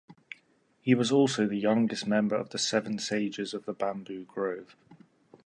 He was also the youngest member of the Seven Sages of the Bamboo Grove.